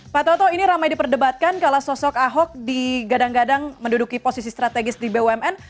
pak toto ini ramai diperdebatkan kalau sosok ahok digadang gadang menduduki posisi strategis di bumn